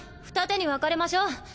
ふた手に分かれましょ。